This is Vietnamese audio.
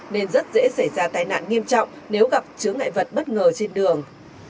nên rất dễ xảy ra tai nạn nghiêm trọng nếu gặp chứa ngại vật bất ngờ trên đường